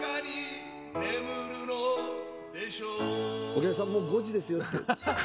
「お客さんもう５時ですよって」